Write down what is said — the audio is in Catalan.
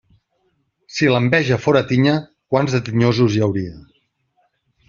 Si l'enveja fóra tinya, quants de tinyosos hi hauria.